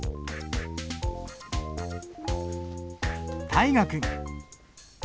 大河君。